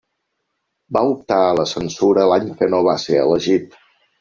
Va optar a la censura l'any però no va ser elegit.